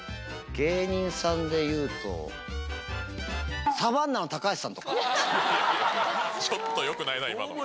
芸人さんでいうと、サバンナの高橋さんとか。ちょっとよくないな、今の。